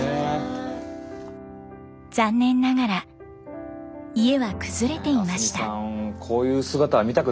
残念ながら家は崩れていました。